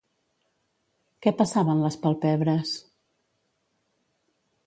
Què passava en les palpebres?